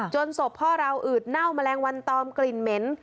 ศพพ่อเราอืดเน่าแมลงวันตอมกลิ่นเหม็น